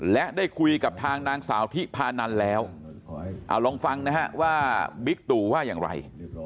และได้คุยกับทางนางสาวทิพานันแล้วเอาลองฟังนะฮะว่าบิ๊กตูว่าอย่างไร